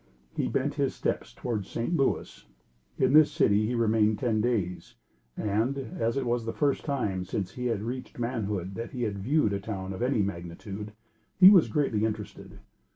He bent his steps towards St. Louis. In this city he remained ten days; and, as it was the first time since he had reached manhood that he had viewed a town of any magnitude, he was greatly interested.